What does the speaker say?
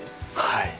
はい！